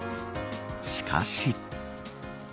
しかし。